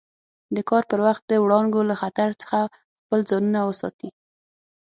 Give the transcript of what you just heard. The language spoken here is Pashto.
د کار پر وخت د وړانګو له خطر څخه خپل ځانونه وساتي.